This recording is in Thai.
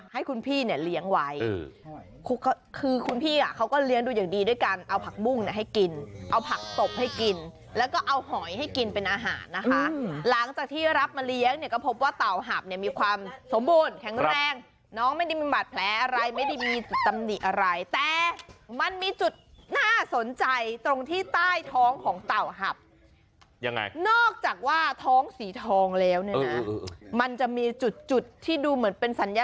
ให้คุณพี่เนี่ยเลี้ยงไว้คุณพี่อ่ะเขาก็เลี้ยงดูอย่างดีด้วยกันเอาผักมุ่งให้กินเอาผักตบให้กินแล้วก็เอาหอยให้กินเป็นอาหารนะคะหลังจากที่รับมาเลี้ยงเนี่ยก็พบว่าเต่าหับเนี่ยมีความสมบูรณ์แข็งแรงน้องไม่ได้มีบาดแผลอะไรไม่ได้มีจุดตำหนิอะไรแต่มันมีจุดน่าสนใจตรงที่ใต้ท้องของเต่าหับยังไงน